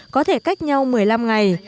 có thể cách nhau một mươi năm ngày